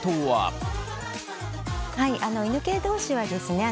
犬系同士はですね